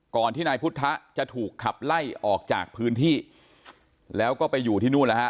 ที่นายพุทธะจะถูกขับไล่ออกจากพื้นที่แล้วก็ไปอยู่ที่นู่นแล้วฮะ